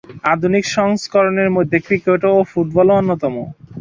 আধুনিক সংস্করণের মধ্যে ক্রিকেট ও ফুটবল অন্যতম।